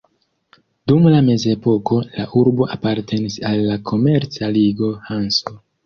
Dum la mezepoko, la urbo apartenis al la komerca ligo Hanso.